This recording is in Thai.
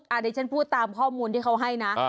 ในเช่นพูดตามข้อมูลที่เขาให้นะ